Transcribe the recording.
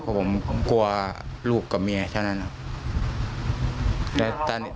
ครับผมกลัวลูกกับเมียเฉินทั้งนั้น